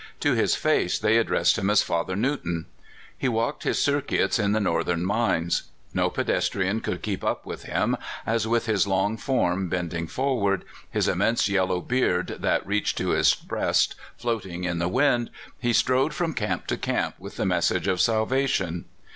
To his face they addressed him as Father Newton. He walked his circuits in the northern mines. No pedestrian could keep up with him, as with his long form bending forward, his immense yellow beard that reached to his breast floating in the wind, he strode from camp to cainp with the message of salvation.